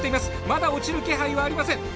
まだ落ちる気配はありません。